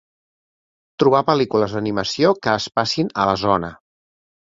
Trobar pel·lícules d'animació que es passin a la zona.